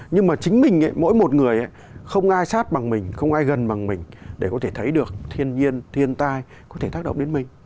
nhưng mà chính mình mỗi một người không ai sát bằng mình không ai gần bằng mình để có thể thấy được thiên nhiên thiên tai có thể tác động đến mình